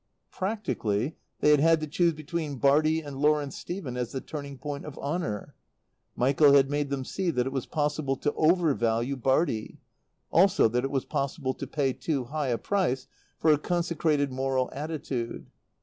Practically, they had had to choose between Bartie and Lawrence Stephen as the turning point of honour. Michael had made them see that it was possible to overvalue Bartie; also that it was possible to pay too high a price for a consecrated moral attitude.